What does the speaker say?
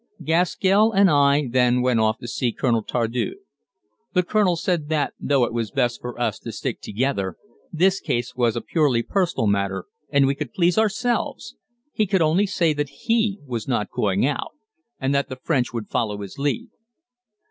Gaskell and I then went off to see Colonel Tardieu. The Colonel said that, though it was best for us to stick together, this case was a purely personal matter, and we could please ourselves he could only say that he was not going out, and that the French would follow his lead.